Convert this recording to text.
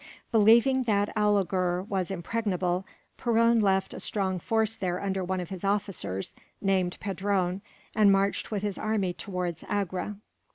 Believing that Alighur was impregnable, Perron left a strong force there under one of his officers, named Pedron, and marched with his army towards Agra.